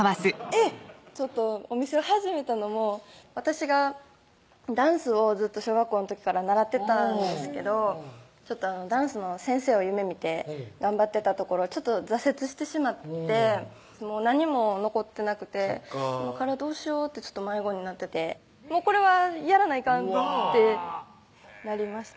お店を始めたのも私がダンスをずっと小学校の時から習ってたんですけどダンスの先生を夢見て頑張ってたところちょっと挫折してしまって何も残ってなくてそっか今からどうしようって迷子になっててこれはやらないかんってなりました